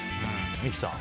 三木さん